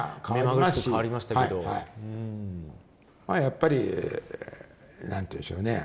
まあやっぱり何て言うんでしょうね。